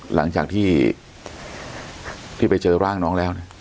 หลังจากที่ที่ไปเจอร่างน้องแล้วเนี่ย